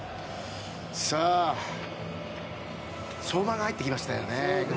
相馬が入ってきましたよね。